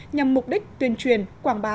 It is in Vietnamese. nhằm mục đích tuyên truyền quảng bá